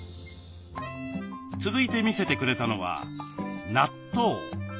続いて見せてくれたのは納豆。